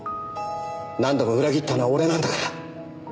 何度も裏切ったのは俺なんだから。